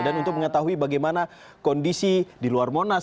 dan untuk mengetahui bagaimana kondisi di luar monas